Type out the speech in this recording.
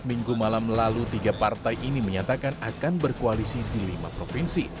minggu malam lalu tiga partai ini menyatakan akan berkoalisi di lima provinsi